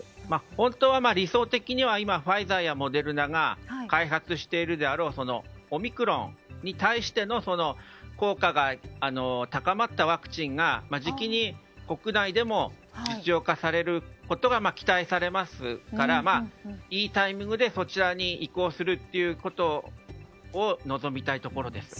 本当は理想的には今、ファイザーやモデルナが開発しているであろうオミクロンに対しての効果が高まったワクチンが時期に国内でも実用化されることが期待されますからいいタイミングでそちらに移行するということを望みたいと思います。